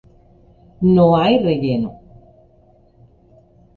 No hay relleno.